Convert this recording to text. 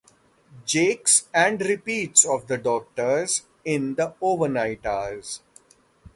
Jakes" and repeats of "The Doctors" in the overnight hours.